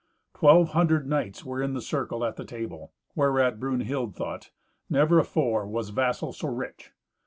Twelve hundred knights were in the circle at the table; whereat Brunhild thought, "Never afore was vassal so rich."